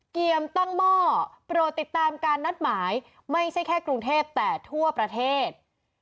เกมตั้งหม้อโปรดติดตามการนัดหมายไม่ใช่แค่กรุงเทพแต่ทั่วประเทศ